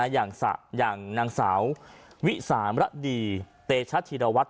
อย่างนางสาววิสามรดีเตชะธีรวัตร